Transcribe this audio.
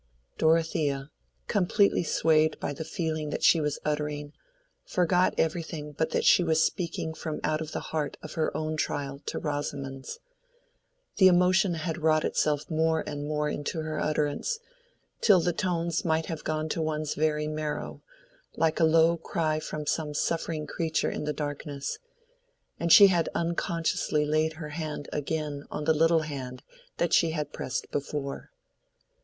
Dorothea, completely swayed by the feeling that she was uttering, forgot everything but that she was speaking from out the heart of her own trial to Rosamond's. The emotion had wrought itself more and more into her utterance, till the tones might have gone to one's very marrow, like a low cry from some suffering creature in the darkness. And she had unconsciously laid her hand again on the little hand that she had pressed before.